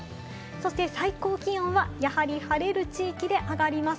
そして最高気温は、やはり晴れる地域で上がります。